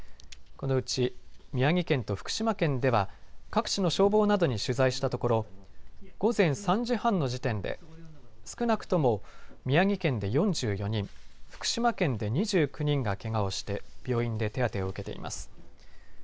このうち、宮城県と福島県では各地の消防などに取材をしたところ午前３時半の時点で少なくとも宮城県で４４人福島県で２９人が、けがをして病院で手当てを受けています。